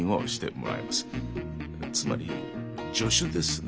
つまり助手ですね。